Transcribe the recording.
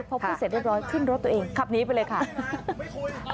พอพูดเสร็จเรียบร้อยขึ้นรถตัวเองขับหนีไปเลยค่ะ